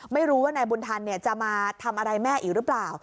ไม่รู้ว่านายบุญธรรมจะมาทำอะไรแม่อีกหรือเปล่า